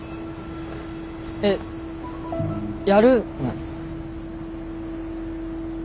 えっやるの？